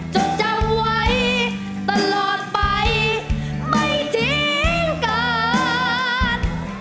จดจำไว้ตลอดไปไม่ทิ้งกัน